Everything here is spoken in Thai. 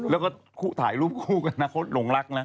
แล้วก็ถ่ายรูปคู่กันนะเขาหลงรักนะ